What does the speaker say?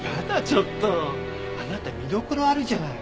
ちょっとあなた見どころあるじゃない。